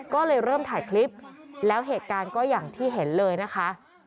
ก็เลยเริ่มถ่ายคลิปแล้วเหตุการณ์ก็อย่างที่เห็นเลยนะคะ